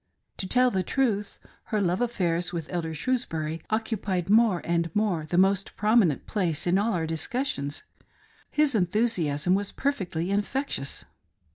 To tell the truth, her love affairs with Elder Shrewsbury occupied more and more the most prominent place in all our discussions. His enthusiasm was perfectly infectious.